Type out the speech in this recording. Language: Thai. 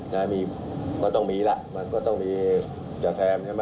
งานก็ต้องมีแหละมันก็ต้องมีอย่างแซ่มใช่ไหม